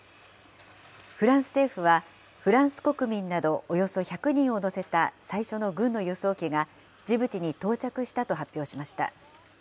フランス政府は、フランス国民などおよそ１００人を乗せた最初の軍の輸送機がジブチに到着したと発表しました。